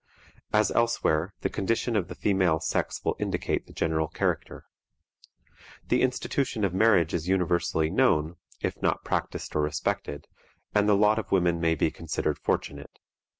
As elsewhere, the condition of the female sex will indicate the general character. The institution of marriage is universally known, if not practiced or respected, and the lot of women may be considered fortunate.